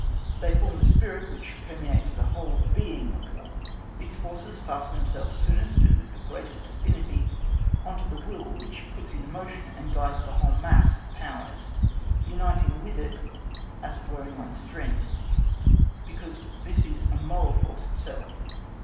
They form the spirit which permeates the whole being of War. These forces fasten themselves soonest and with the greatest affinity on to the Will which puts in motion and guides the whole mass of powers, uniting with it as it were in one stream, because this is a moral force itself.